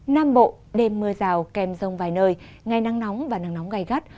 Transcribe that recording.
nam bộ đêm mưa rào kèm rông vài nơi ngày nắng nóng và nắng nóng gai gắt